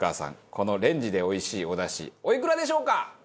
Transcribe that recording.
このレンジで美味しいおだしおいくらでしょうか？